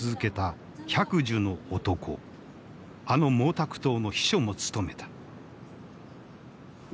あの毛沢東の秘書も務めた。